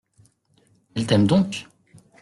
Elle t'aime donc ?